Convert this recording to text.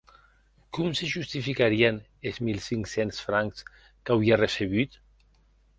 Com se justificarien es mil cinc cents francs qu’auie recebut?